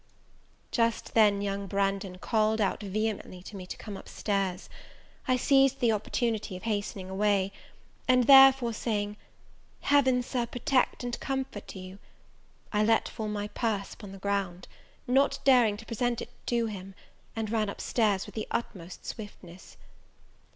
Just then young Branghton called out vehemently to me to come up stairs. I seized the opportunity of hastening away: and therefore saying, "Heaven, Sir, protect and comfort you!" I let fall my purse upon the ground, not daring to present it to him, and ran up stairs with the utmost swiftness.